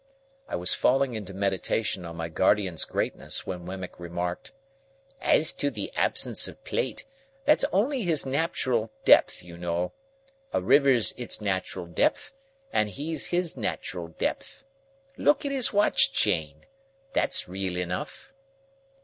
I was falling into meditation on my guardian's greatness, when Wemmick remarked:— "As to the absence of plate, that's only his natural depth, you know. A river's its natural depth, and he's his natural depth. Look at his watch chain. That's real enough."